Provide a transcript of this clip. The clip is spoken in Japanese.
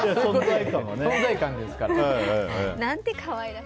存在感ですから。